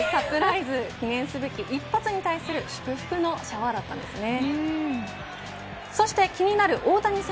記念すべき一発に対する祝福のシャワーだったんですね。